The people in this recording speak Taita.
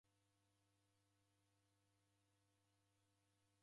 Ndew'ivikie mzinyi.